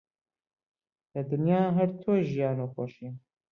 لە دنیا هەر تۆی ژیان و خۆشیم